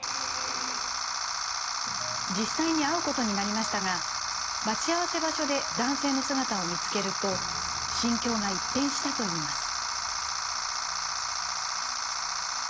実際に会うことになりましたが待ち合わせ場所で男性の姿を見つけると心境が一変したといいます。